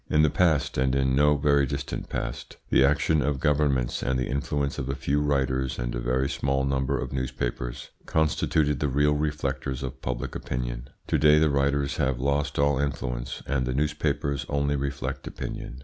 In the past, and in no very distant past, the action of governments and the influence of a few writers and a very small number of newspapers constituted the real reflectors of public opinion. To day the writers have lost all influence, and the newspapers only reflect opinion.